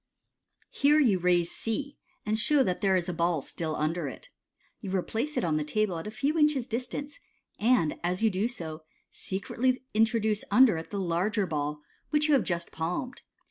Here you raise C, and show that there is a ball still under it. You replace it on the table at a few inches' dis tance, and as you do so, secretly introduce under it the larger ball which you have just palmed.